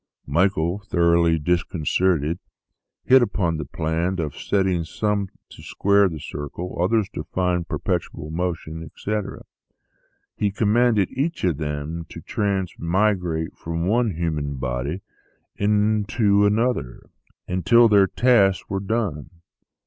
Michael, thoroughly disconcerted, hit upon the plan of setting some to square the circle, others to find the perpetual motion, etc. He commanded each of them to transmigrate from one human body into another, until their tasks were done.